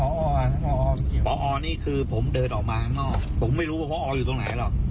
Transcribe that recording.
พอลุมในกระเป๋าได้ได้มีพี่หมอโดยง่ายผมไม่ได้อยู่ไปแล้ว